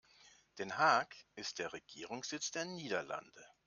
Den Haag ist der Regierungssitz der Niederlande.